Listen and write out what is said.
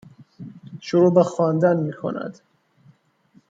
شروع به خواندن می کند